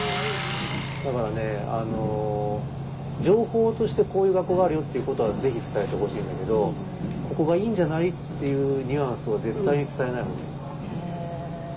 だからね情報としてこういう学校があるよっていうことはぜひ伝えてほしいんだけどここがいいんじゃないっていうニュアンスを絶対に伝えない方がいいです。